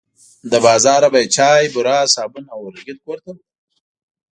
له بازاره به یې چای، بوره، صابون او اورلګیت کور ته وړل.